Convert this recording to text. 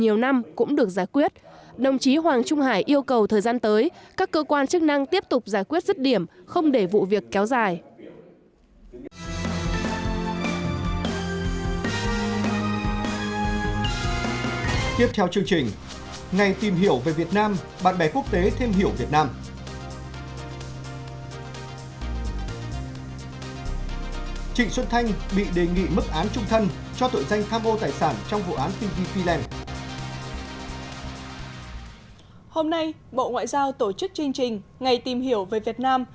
hôm nay bộ ngoại giao tổ chức chương trình ngày tìm hiểu về việt nam